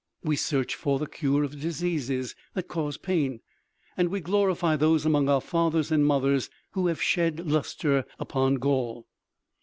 We search for the cure of diseases that cause pain, and we glorify those among our fathers and mothers who have shed lustre upon Gaul.